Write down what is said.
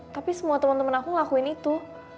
tapi semua temen temen aku ngelakuin itu